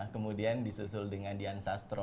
kemudian disusul dengan dian sastro